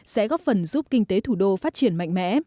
sẽ góp phần giúp kinh tế thủ đô phát triển mạnh mẽ